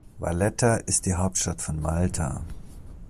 Valletta ist die Hauptstadt von Malta.